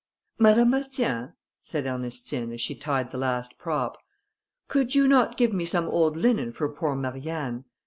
"Madame Bastien," said Ernestine, as she tied the last prop, "could you not give me some old linen for poor Marianne?